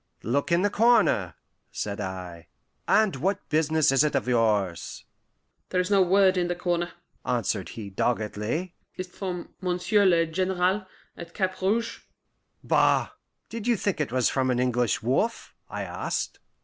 "Look in the corner," said I. "And what business is't of yours?" "There is no word in the corner," answered he doggedly. "Is't from Monsieur le General at Cap Rouge?" "Bah! Did you think it was from an English wolf?" I asked.